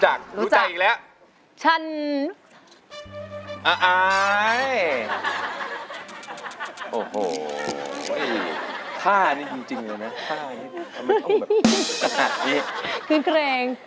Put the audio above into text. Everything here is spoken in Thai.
ฆ่านี่จริงเลยนะฆ่านี่เอาหนูแบบฆ่านี่